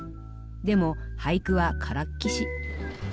でも俳句はからっきし。